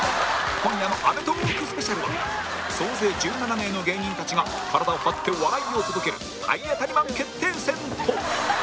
今夜の『アメトーーク』スペシャルは総勢１７名の芸人たちが体を張って笑いを届ける体当たりマン決定戦と